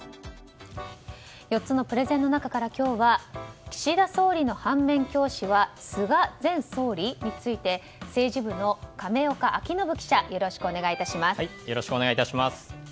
４つのプレゼンの中から今日は岸田総理の反面教師は菅前総理？について政治部の亀岡晃信記者よろしくお願いします。